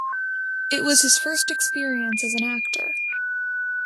It was his first experience as an actor.